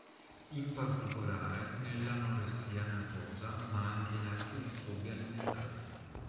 In particolare nell'anoressia nervosa ma anche in altri disturbi alimentari.